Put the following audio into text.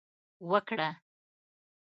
وکړه